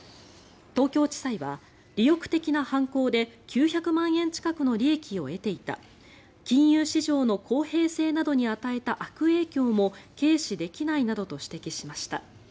東京地裁は、利欲的な犯行で９００万円近くの利益を得ていた金融市場の公平性などに与えた悪影響も軽視できないなどと指摘しました。